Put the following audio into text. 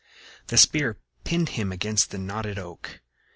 The spear pinned him against the knotted oak.